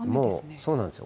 そうなんですよ。